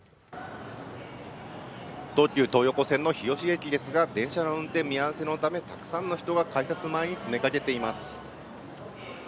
東急東横線の日吉駅ですが電車の運転見合せのためたくさんの人が改札前に詰めかけています。